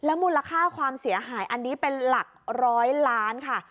มูลค่าความเสียหายอันนี้เป็นหลักร้อยล้านค่ะ